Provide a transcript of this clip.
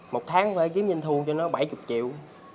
một tháng phải kiếm doanh thu cho nó bảy mươi triệu